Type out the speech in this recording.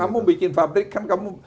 kamu bikin pabrik kan kamu